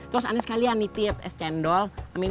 terus aneh sekalian nitip es cendol sama mie